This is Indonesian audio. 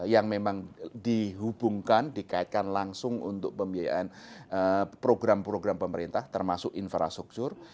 yang memang dihubungkan dikaitkan langsung untuk pembiayaan program program pemerintah termasuk infrastruktur